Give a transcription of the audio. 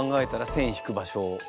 線引く場所を。